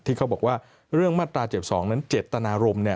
ที่เขาบอกว่าเรื่องมาตราเจ็บ๒นั้นเจ็ดตนารมณ์